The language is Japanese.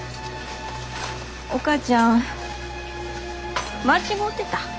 お母ちゃん間違うてた。